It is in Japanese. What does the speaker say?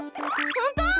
本当！？